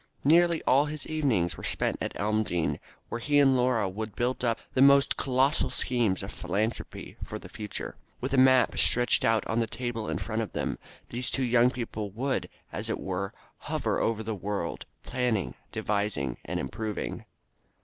Nearly all his evenings were spent at Elmdene, where he and Laura would build up the most colossal schemes of philanthropy for the future. With a map stretched out on the table in front of them, these two young people would, as it were, hover over the world, planning, devising, and improving.